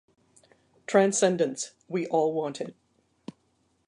Transcendence, we all want it.